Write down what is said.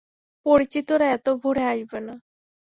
পরিচিতরা এত ভোরে আসবে না।